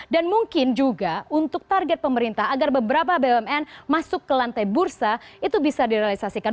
dan mungkin juga untuk target pemerintah agar beberapa bumn masuk ke lantai bursa itu bisa direalisasikan